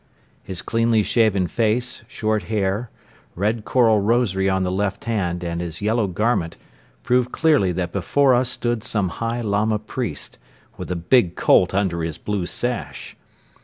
His cleanly shaven face, short hair, red coral rosary on the left hand and his yellow garment proved clearly that before us stood some high Lama Priest, with a big Colt under his blue sash!